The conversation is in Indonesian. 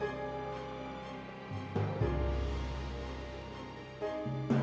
suara yang baik baik hijin